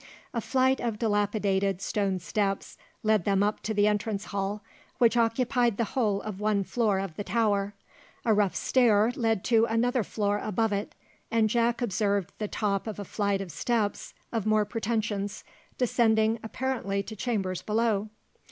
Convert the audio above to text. A flight of dilapidated stone steps led them up to the entrance hall, which occupied the whole of one floor of the tower. A rough stair led to another floor above it; and Jack observed the top of a flight of steps of more pretensions, descending apparently to chambers below.